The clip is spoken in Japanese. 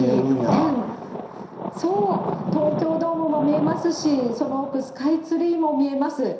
まさに、そう、東京ドームも見えますし、その奥、スカイツリーも見えます。